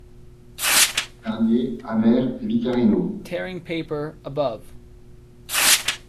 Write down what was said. Garnier, Hammer et Vicarino.